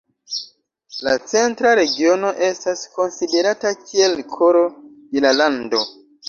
La centra regiono estas konsiderata kiel koro de la lando.